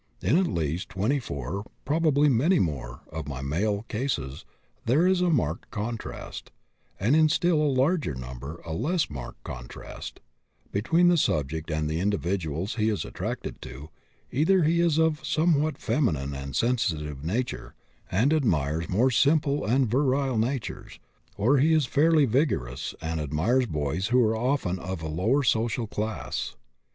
In at least 24, probably many more, of my male cases there is a marked contrast, and in a still larger number a less marked contrast, between the subject and the individuals he is attracted to; either he is of somewhat feminine and sensitive nature, and admires more simple and virile natures, or he is fairly vigorous and admires boys who are often of lower social class.